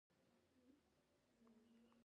دوی پر کړنو اثر وکړي.